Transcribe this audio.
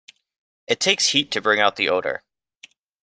It takes heat to bring out the odor.